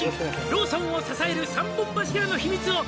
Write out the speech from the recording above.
「ローソンを支える３本柱の秘密を」